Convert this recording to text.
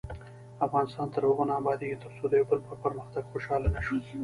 افغانستان تر هغو نه ابادیږي، ترڅو د یو بل په پرمختګ خوشحاله نشو.